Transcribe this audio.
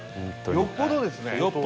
「よっぽどですよ」